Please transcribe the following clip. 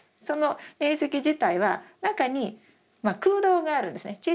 その煉石自体は中にまあ空洞があるんですね。